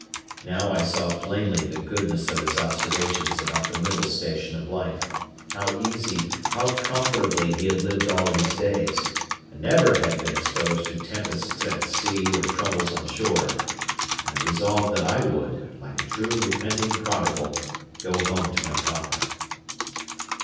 Now I saw plainly the goodness of his observations about the middle station of life, how easy, how comfortably he had lived all his days, and never had been exposed to tempests at sea or troubles on shore; and I resolved that I would, like a true repenting prodigal, go home to my father.